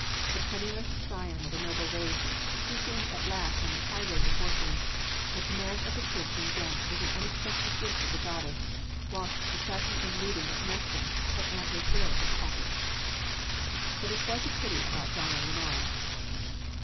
The penniless scion of a noble race, he seemed at last on the high road to fortune the command of the troops in Ghent was an unexpected gift of the goddess, whilst the sacking and looting of Mechlin had amply filled his pockets. But it was a pity about donna Lenora!